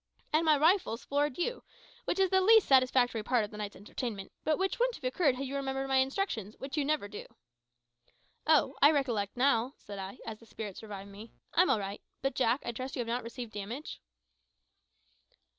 And my big rifle has floored you, which is the least satisfactory part of the night's entertainment, but which wouldn't have occurred had you remembered my instructions, which you never do." "Oh, I recollect now," said I, as the spirits revived me. "I'm all right. But, Jack, I trust that you have not received damage?"